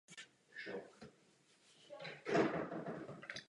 Někdy narušují estetický vzhled okrasných trávníků.